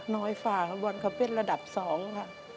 น้อยความบอลเขาเป็นระดับ๒ค่ะ